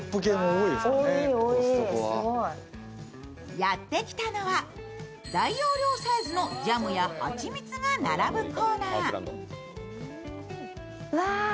やってきたのは大容量サイズのジャムや蜂蜜が並ぶコーナー。